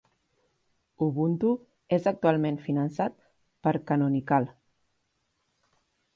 Ubuntu és actualment finançat per Canonical